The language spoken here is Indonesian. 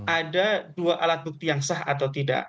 ada dua alat bukti yang sah atau tidak